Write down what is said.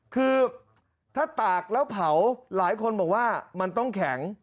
คือถ้าตากแล้วเผาหลายคนบอกว่ามันต้องแข็ง